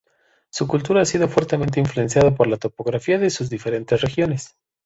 Su cultura ha sido fuertemente influenciada por la topografía de sus diferentes regiones.